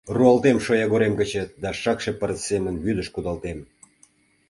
Руалтем шоягорем гычет да шакше пырыс семын вӱдыш кудалтем.